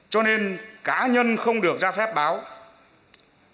cho nên cá nhân không được ra phép báo không được ra báo